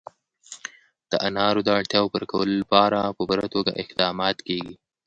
د انارو د اړتیاوو پوره کولو لپاره په پوره توګه اقدامات کېږي.